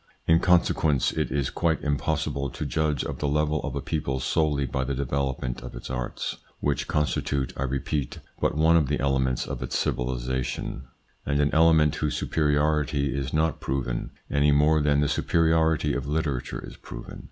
In consequence it is quite impossible to judge of the level of a people solely by the development of its arts, which constitute, I repeat, but one of the elements of its civilisation, and an element whose superiority is not proven any more than the superiority of literature is proven.